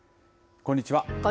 こんにちは。